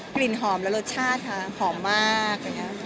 กลิ่นหอมและรสชาติค่ะหอมมาก